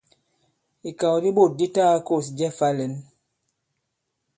Ìkàw di bôt di ta-gā-kôs jɛ fā-lɛ̌n.